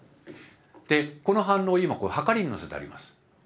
でこの反応今はかりに載せてあります。